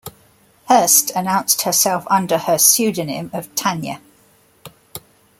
Hearst announced herself under her pseudonym of "Tania".